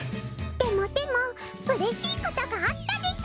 でもでもうれしいことがあったです。